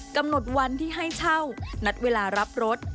กำหนดวันที่ให้เช่านัดเวลารับรถ